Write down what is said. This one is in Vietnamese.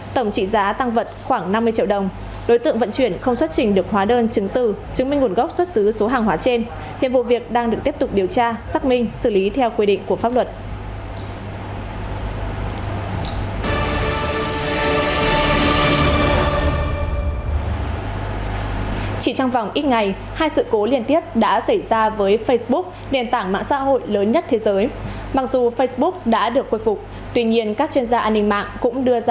tổng trị giá tăng vận khoảng năm mươi triệu đồng đối tượng vận chuyển không xuất trình được hóa đơn chứng từ chứng minh nguồn gốc xuất xứ số hàng hóa trên hiện vụ việc đang được tiếp tục điều tra xác minh xử lý theo quy định của pháp luật